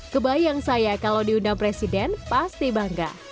kebayang saya kalau diundang presiden pasti bangga